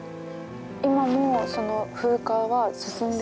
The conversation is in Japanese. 今もその風化は進んでいる？